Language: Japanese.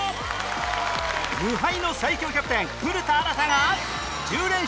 無敗の最強キャプテン古田新太が